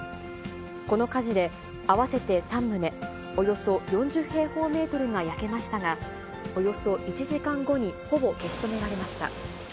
この火事で、合わせて３棟、およそ４０平方メートルが焼けましたが、およそ１時間後にほぼ消し止められました。